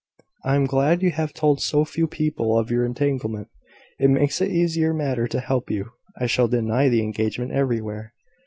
"I am glad you have told so few people of your entanglement. It makes it an easier matter to help you. I shall deny the engagement everywhere."